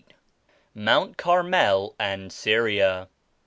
$4 MOUNT CARMEL AND SYRIA.